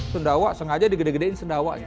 sundawa sengaja digede gedein sendawanya